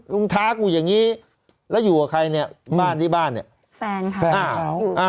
ท้ากูอย่างนี้แล้วอยู่กับใครเนี่ยบ้านที่บ้านเนี่ยแฟนค่ะแฟนอ้าว